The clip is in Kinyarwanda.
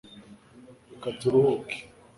reka turuhuke